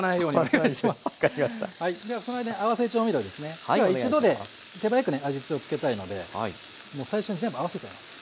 今日は一度で手早くね味をつけたいのでもう最初に全部合わせちゃいます。